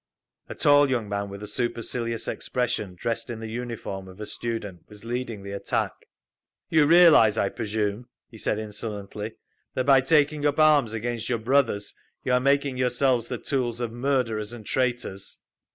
A tall young man with a supercilious expression, dressed in the uniform of a student, was leading the attack. "You realise, I presume," he said insolently, "that by taking up arms against your brothers you are making yourselves the tools of murderers and traitors?"